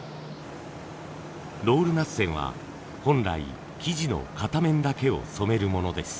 ロール捺染は本来生地の片面だけを染めるものです。